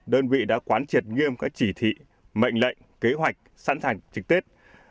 đơn vị đã quán triệt nghiêm các chỉ thị mệnh lệnh kế hoạch sẵn sàng trực tết